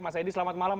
mas adi selamat malam